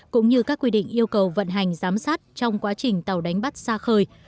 cũng như các quy định yêu cầu vận hành giám sát trong quá trình tàu đánh bắt xa khơi